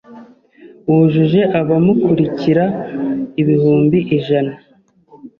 wujuje abamukurikira ibihumbi ijana